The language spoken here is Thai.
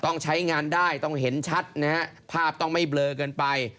ต้องใช้งานได้ต้องเห็นชัดนะฮะภาพต้องไม่เบลอเกินไป